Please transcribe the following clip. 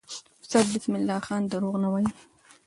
استاد بسم الله خان دروغ نه وایي.